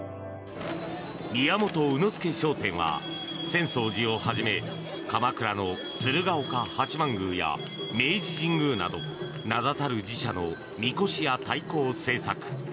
宮本卯之助商店は浅草寺をはじめ鎌倉の鶴岡八幡宮や明治神宮など名立たる寺社のみこしや太鼓を製作。